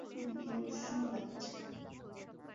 আহ, এখানে উষ্ণ লাগছে।